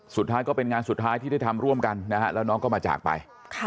สุดท้ายก็เป็นงานสุดท้ายที่ได้ทำร่วมกันนะฮะแล้วน้องก็มาจากไป